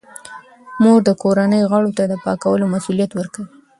مور د کورنۍ غړو ته د پاکولو مسوولیت ورکوي.